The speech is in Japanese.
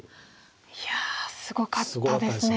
いやすごかったですね。